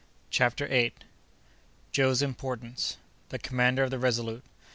CHAPTER EIGHTH. Joe's Importance.—The Commander of the Resolute.